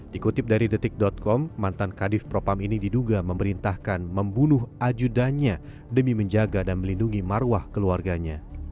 dikutip dari detik com mantan kadif propam ini diduga memerintahkan membunuh ajudannya demi menjaga dan melindungi marwah keluarganya